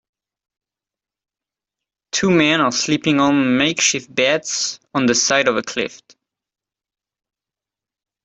Two men are sleeping on makeshift beds on the side of a cliff.